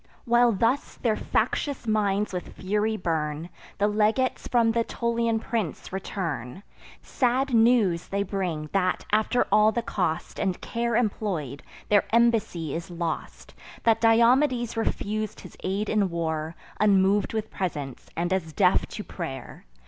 While thus their factious minds with fury burn, The legates from th' Aetolian prince return: Sad news they bring, that, after all the cost And care employ'd, their embassy is lost; That Diomedes refus'd his aid in war, Unmov'd with presents, and as deaf to pray'r.